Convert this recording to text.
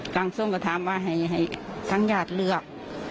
ทางทรงก็ถามว่าให้ทางญาติเลือก